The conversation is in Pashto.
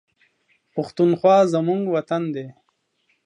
پښتونخوا زموږ وطن دی